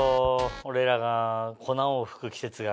俺らが粉を吹く季節が。